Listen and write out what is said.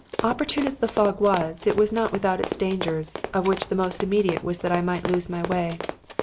"Opportune as the fog was, it was not without its dangers; of which the most immediate was that I might lose my way.